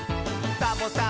「サボさん